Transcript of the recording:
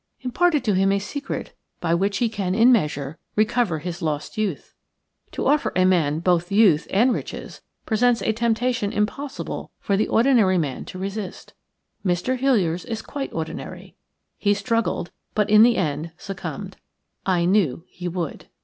"Imparted to him a secret by which he can in a measure recover his lost youth. To offer a man both youth and riches presents a temptation impossible for the ordinary man to resist. Mr. Hiliers is quite ordinary; he struggled, but in the end succumbed. I knew he would."